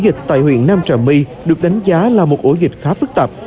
dịch tại huyện nam trà my được đánh giá là một ổ dịch khá phức tạp